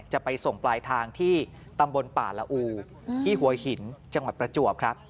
จะไปส่งปลายทางที่ตำบลป่าละอูที่หัวหินจังหวัดประจวบครับ